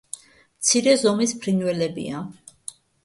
მცირე ზომის ფრინველებია.